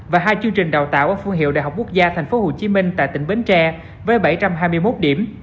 và hai chương trình đào tạo ở phương hiệu đại học quốc gia tp hcm tại tỉnh bến tre với bảy trăm hai mươi một điểm